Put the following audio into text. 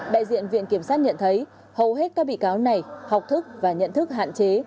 đại diện viện kiểm sát nhận thấy hầu hết các bị cáo này học thức và nhận thức hạn chế